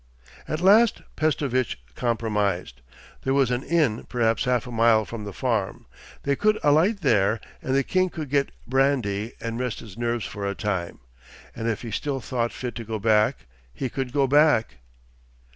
At last Pestovitch compromised. There was an inn perhaps half a mile from the farm. They could alight there and the king could get brandy, and rest his nerves for a time. And if he still thought fit to go back he could go back.